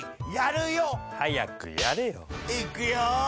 いっくよ！